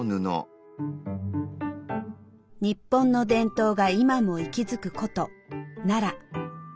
日本の伝統が今も息づく古都奈良。